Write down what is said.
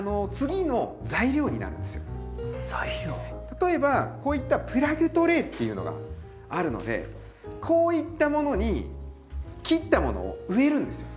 例えばこういったプラグトレイっていうのがあるのでこういったものに切ったものを植えるんですよ。